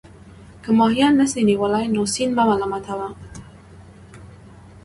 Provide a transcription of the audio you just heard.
که ماهيان نسې نيولى، نو سيند مه ملامت وه.